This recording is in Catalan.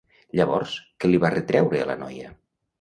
Llavors, què li va retreure a la noia?